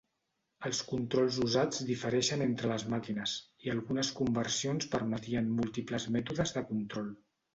Els controls usats difereixen entre les màquines, i algunes conversions permetien múltiples mètodes de control.